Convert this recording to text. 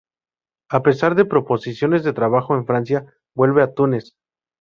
A pesar de proposiciones de trabajo en Francia, vuelve en Túnez.